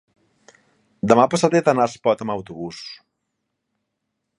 demà passat he d'anar a Espot amb autobús.